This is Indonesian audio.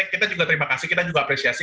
kita juga terima kasih kita juga apresiasi